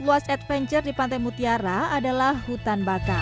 luas adventure di pantai mutiara adalah hutan baka